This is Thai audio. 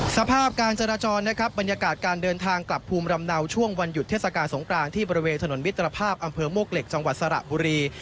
สภาพการจราจรนะครับบรรยากาศการเดินทางกลับภูมิลำเนาช่วงวันหยุดเทศกาลสงกรานที่บริเวณถนนมิตรภาพอำเภอมวกเหล็กจังหวัดสระบุรี